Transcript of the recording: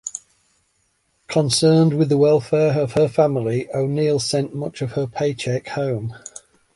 Concerned with the welfare of her family, O'Neill sent much of her paycheck home.